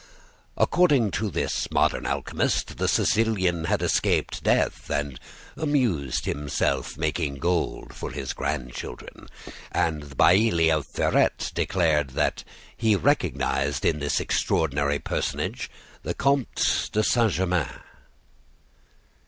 According to this modern alchemist, the Sicilian had escaped death, and amused himself making gold for his grandchildren. And the Bailli of Ferette declared that he recognized in this extraordinary personage the Comte de Saint Germain."